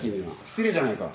失礼じゃないか。